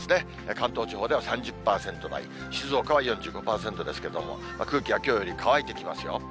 関東地方では３０％台、静岡は４５％ですけれども、空気はきょうより乾いてきますよ。